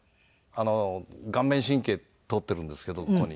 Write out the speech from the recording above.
顔面神経通ってるんですけどここに。